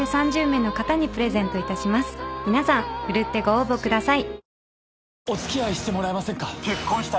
皆さん奮ってご応募ください。